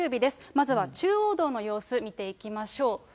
まずは中央道の様子見ていきましょう。